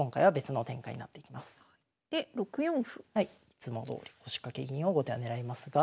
いつもどおり腰掛け銀を後手は狙いますが。